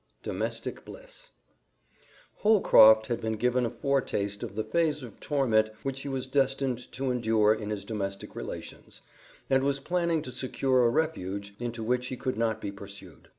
Domestic Bliss Holcroft had been given a foretaste of the phase of torment which he was destined to endure in his domestic relations, and was planning to secure a refuge into which he could not be pursued.